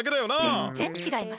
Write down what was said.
ぜんぜんちがいます。